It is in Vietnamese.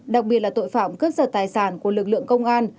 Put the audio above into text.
đặc biệt là tội phạm cướp giật tài sản của lực lượng công an